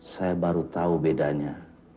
saya baru tahu bedanya